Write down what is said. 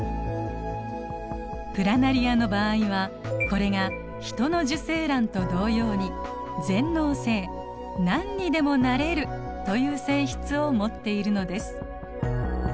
プラナリアの場合はこれがヒトの受精卵と同様に全能性何にでもなれるという性質を持っているのです。